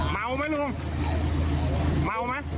เมาไหมลุงเมาไหม